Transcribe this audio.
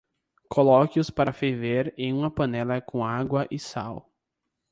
Coloque-os para ferver em uma panela com água e sal.